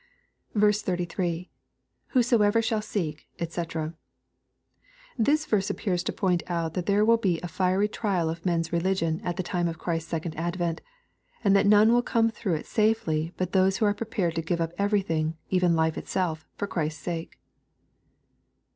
33. —[ Whosoever shall seek, d;c.'] This verse appears to point out that there will be a fiery trial of men's religion at the time of Christ's second advent, and that none will come through it safely, but those who are prepared to give up everything, even life itslef, for Christ's sake.